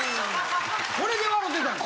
これで笑てたんか。